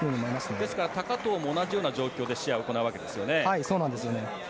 ですから高藤も同じような状況で試合を行うわけですよね。